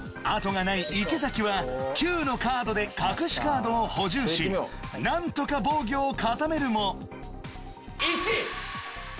あとがない池崎は９のカードで隠しカードを補充しなんとか防御を固めるも１！